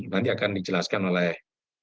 nanti akan dijelaskan oleh